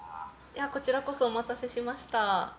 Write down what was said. こちらこそお待たせしました。